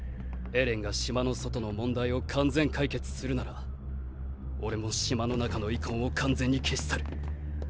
エレンが島の外の問題を完全解決するなら俺も島の中の遺恨を完全に消し去る。